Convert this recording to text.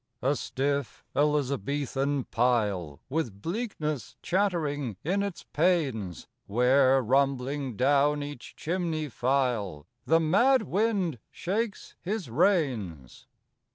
A stiff Elizabethan pile, With bleakness chattering in its panes, Where, rumbling down each chimney file, The mad wind shakes his reins.